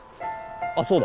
あっそうだ。